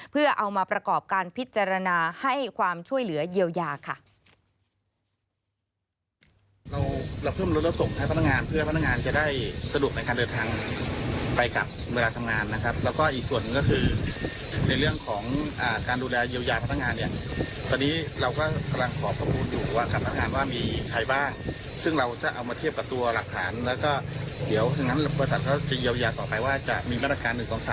เพื่อเอามาประกอบการพิจารณาให้ความช่วยเหลือเยียวยาค่ะ